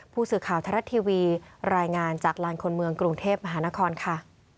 ผู้สื่อข่าวทรัฐทีวีรายงานจากลานคนเมืองกรุงเทพมหานครค่ะ